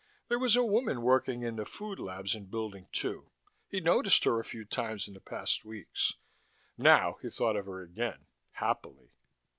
There was a woman working in the food labs in Building Two. He'd noticed her a few times in the past weeks. Now he thought of her again, happily.